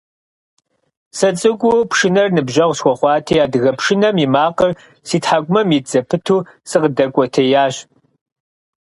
СыцӀыкӀуу пшынэр ныбжьэгъу схуэхъуати, адыгэ пшынэм и макъыр си тхьэкӀумэм ит зэпыту сыкъыдэкӀуэтеящ.